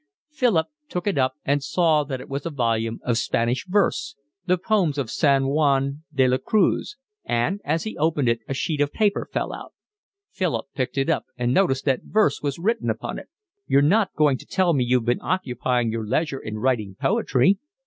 Philip took it up and saw that it was a volume of Spanish verse, the poems of San Juan de la Cruz, and as he opened it a sheet of paper fell out. Philip picked it up and noticed that verse was written upon it. "You're not going to tell me you've been occupying your leisure in writing poetry?